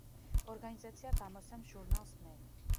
ორგანიზაცია გამოსცემს ჟურნალს „მე“.